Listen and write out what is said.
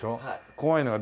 怖いのよ